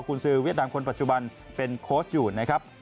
คุณซื้อเวียดนามคนปัจจุบันเป็นโค้ชอยู่นะครับ